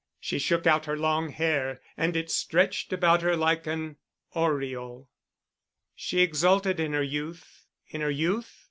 She shook out her long hair and it stretched about her like an aureole. She exulted in her youth in her youth?